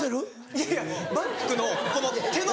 いやいやバッグのこの手の。